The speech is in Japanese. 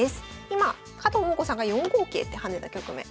今加藤桃子さんが４五桂って跳ねた局面。